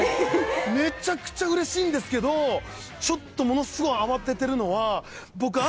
めちゃくちゃうれしいんですけどちょっとものすごい慌ててるのは僕。